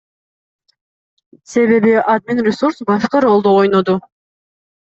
Себеби админресурс башкы ролду ойноду.